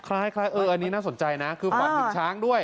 คล้ายอ่ออองั้นนี่น่าสนใจนะคือฝันถึงช้างด้วย